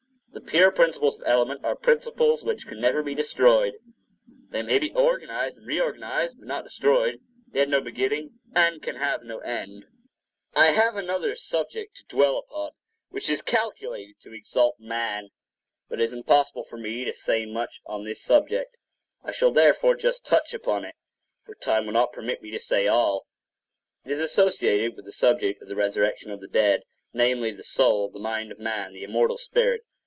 The pure principles of element are principles which can never be destroyed; they may be organized and re organized, but not destroyed. They had no beginning, and can have no end.6 The Immortal Spirit[edit] I have another subject to dwell upon, which is calculated to exalt man; but it is impossible for me to say much on this subject. I shall therefore just touch upon it, for time will not permit me to say all. It is associated with the subject of the resurrection of the dead,—namely, the soul—the mind of man—the immortal spirit.